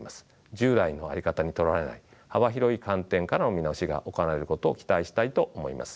従来の在り方にとらわれない幅広い観点からの見直しが行われることを期待したいと思います。